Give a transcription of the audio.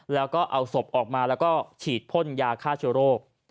แล้วก็เอาศพออกมาแล้วก็ฉีดพ่นยาฆ่าเชื้อโรค